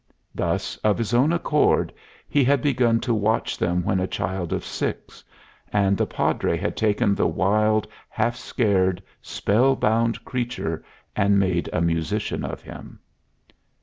Thus, of his own accord, he had begun to watch them when a child of six; and the Padre had taken the wild, half scared, spellbound creature and made a musician of him.